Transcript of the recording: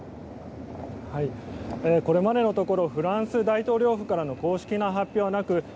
これまでのところフランス大統領府からの公式な発表はなく